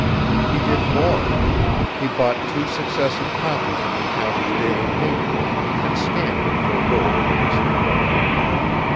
He did more. He bought two successive copies of the county's daily paper and scanned it for word of a missing dog.